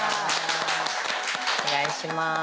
お願いします。